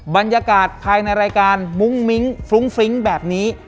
บรรยากาศภายในรายการมุ้งมิ้งฟรุ้งฟริ้งแบบนี้